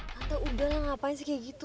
tante udahlah ngapain sih kayak gitu